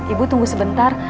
ibu tunggu sebentar